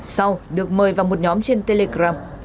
sau được mời vào một nhóm trên telegram